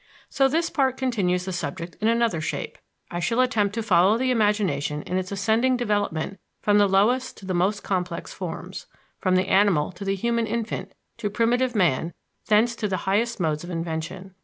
So this part continues the subject in another shape. I shall attempt to follow the imagination in its ascending development from the lowest to the most complex forms, from the animal to the human infant, to primitive man, thence to the highest modes of invention.